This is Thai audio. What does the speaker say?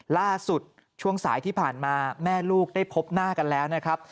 ล่าสุดช่วงสายที่ผ่านมาแม่ลูกได้พบหน้ากันแล้วนะครับ